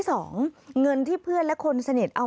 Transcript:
ฟังเสียงลูกจ้างรัฐตรเนธค่ะ